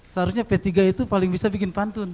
seharusnya p tiga itu paling bisa bikin pantun